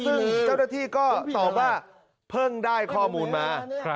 ซึ่งเจ้าหน้าที่ก็ตอบว่าเพิ่งได้ข้อมูลมา